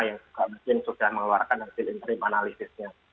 mungkin sudah mengeluarkan hasil interim analysisnya